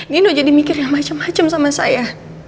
nino jadi mikir yang macem macem sama saya